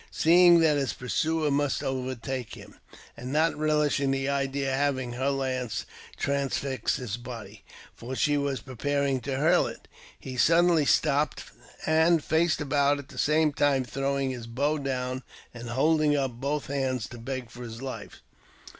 Seeing that his pursuer I JAMES P. BECKWOURTH. 283 must overtake him, and not relishing the idea of having her lance tranfix his body — for she w^as preparing to hurl it — he suddenly stopped and faced about, at the same time throwing his bow down and holding up both hands to beg for his life.